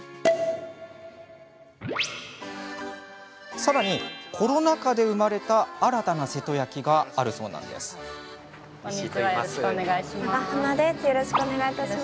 さらに、コロナ禍で生まれた新たな瀬戸焼があるそうなんです。